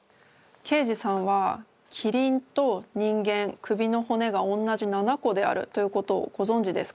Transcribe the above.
刑事さんは「キリンと人間首の骨がおんなじ７個である」ということをごぞんじですか？